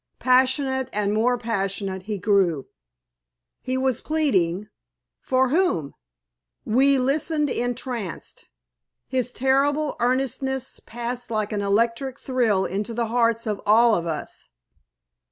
Passionate and more passionate he grew. He was pleading for whom? We listened entranced. His terrible earnestness passed like an electric thrill into the hearts of all of us.